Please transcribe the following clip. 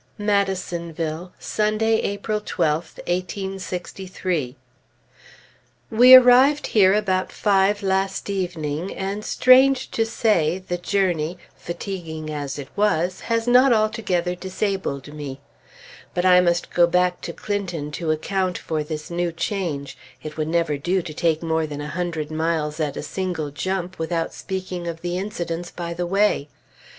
MADISONVILLE, Sunday, April 12th, 1863. We arrived here about five last evening, and, strange to say, the journey, fatiguing as it was, has not altogether disabled me. But I must go back to Clinton to account for this new change. It would never do to take more than a hundred miles at a single jump without speaking of the incidents by the way.